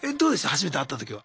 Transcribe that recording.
初めて会った時は。